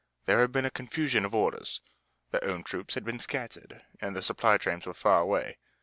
There had been a confusion of orders. Their own troops had been scattered and their supply trains were far away.